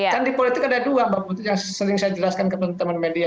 kan di politik ada dua yang sering saya jelaskan kepada teman teman media